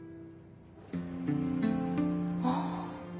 ああ。